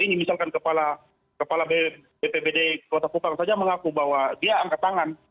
ini misalkan kepala bpbd kota kupang saja mengaku bahwa dia angkat tangan